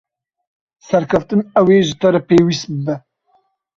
Serkeftin ew ê ji te re pêwîst bibe.